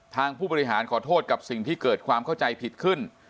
ผู้บริหารขอโทษกับสิ่งที่เกิดความเข้าใจผิดขึ้น